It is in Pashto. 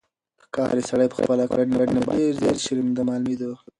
ښکاري سړی په خپلې کړنې باندې ډېر زیات شرمنده معلومېده.